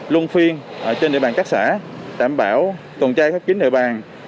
lung phiên trên địa bàn các xã đảm bảo tuần tra các kính địa bàn